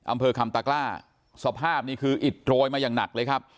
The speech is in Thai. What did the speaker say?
อำเภอคำตากล้าสภาพนี่คืออิดโรยมาอย่างหนักเลยครับ